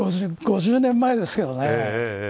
５０年前ですけどね。